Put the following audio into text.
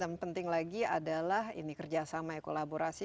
dan penting lagi adalah kerjasama dan kolaborasi